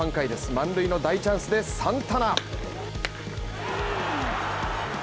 満塁の大チャンスでサンタナ。